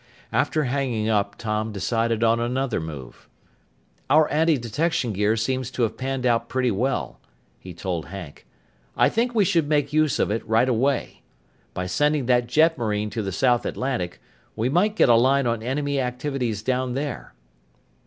After hanging up, Tom decided on another move. "Our antidetection gear seems to have panned out pretty well," he told Hank. "I think we should make use of it right away. By sending that jetmarine to the South Atlantic, we might get a line on enemy activities down there."